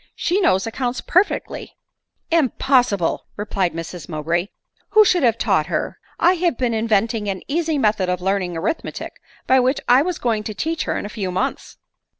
She knows accounts perfectly." " Impossible !" replied Mrs Mowbray ;" who should have taught her ? I have been inventing an easy method of learning arithmetic, by which I was going to teach her in a few months."